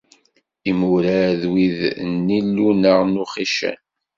Imurar d wid n nnilu neɣ n uxican.